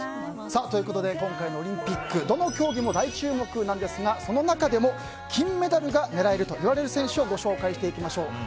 ということで今回のオリンピックどの競技も大注目なんですがその中でも、金メダルが狙えるといわれる選手をご紹介していきましょう。